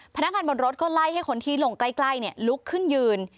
พนักงานบนรถก็ไล่ให้คนที่ลงใกล้ลุกขึ้นยืน